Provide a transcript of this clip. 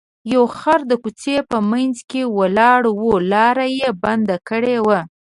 یو خر د کوڅې په منځ کې ولاړ و لاره یې بنده کړې وه.